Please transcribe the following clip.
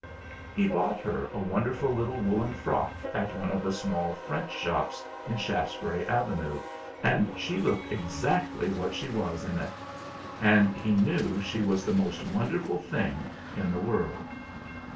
He bought her a wonderful little woollen frock at one of the small French shops in Shaftesbury Avenue, and she looked exactly what she was in it; and he knew she was the most wonderful thing in the world.